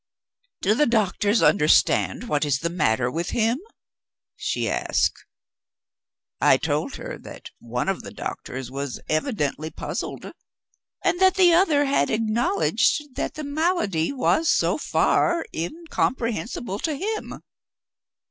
'Do the doctors understand what is the matter with him?' she asked. I told her that one of the doctors was evidently puzzled, and that the other had acknowledged that the malady was so far incomprehensible to him.